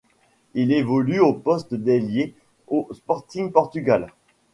Il évolue au poste d'ailier au Sporting Portugal.